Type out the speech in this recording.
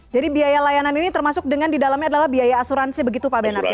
jadi biaya layanan ini termasuk dengan di dalamnya adalah biaya asuransi begitu pak benat ya